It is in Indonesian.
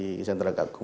kisah narka akum